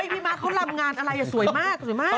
พี่ม้าเขารำงานอะไรสวยมากสวยมาก